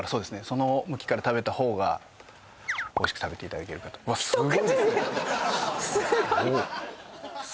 その向きから食べた方がおいしく食べていただけるかとすごいですね！